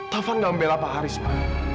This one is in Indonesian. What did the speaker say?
taufan gak membelah pak haris ma